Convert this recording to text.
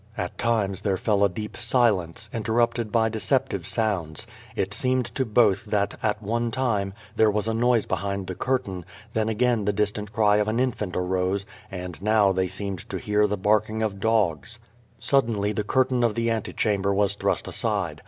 At times there fell a deep silence, interrupted by deceptive sounds. It seemd to both that, at one time, there was a noise behind the curtain, then again the distant cry of an infant arose, and now they seemed to hear the barking of dogs. Suddenly the curtain of the ante chamber was thrust aside.